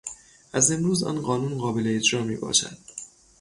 از امروز آن قانون قابل اجرا می باشد.